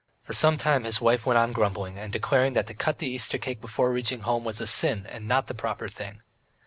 For some time his wife went on grumbling, and declaring that to cut the Easter cake before reaching home was a sin and not the proper thing.